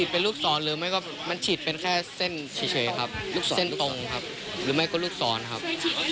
เป็นรูปศรหรือไม่ก็มันเฉียบเป็นแค่เส้นเฉยครับลูกใช้ต้องหรือให้ก็ลูกศรครับ